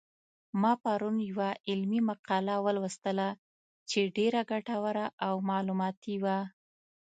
ما پرون یوه علمي مقاله ولوستله چې ډېره ګټوره او معلوماتي وه